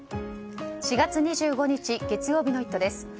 ４月２５日月曜日の「イット！」です。